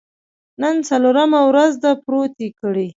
نن څلورمه ورځ ده، پروت یې کړی.